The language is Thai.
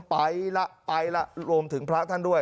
ไปละไปละรวมถึงพระท่านด้วย